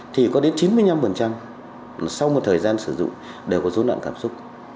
thì có đến chín mươi năm sau một thời gian sử dụng đều có dối loạn cảm xúc